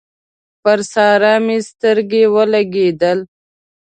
پر سارا مې سترګې ولګېدل